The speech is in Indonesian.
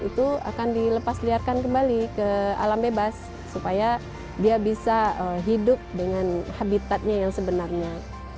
itu akan dilepas liarkan kembali ke alam bebas supaya dia bisa hidup dengan habitatnya yang sebenarnya